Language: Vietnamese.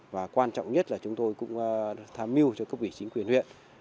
và quan trọng nhất là chúng tôi cũng tham mưu cho cấp quỷ chính quyền huyện